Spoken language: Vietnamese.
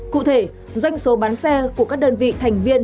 cụ thể doanh số bán xe của các đơn vị thành viên